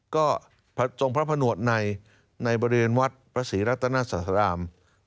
ก็ทรงพระพระหนวดในบริเวณวัดพระศรีรัตนาศราหมณ์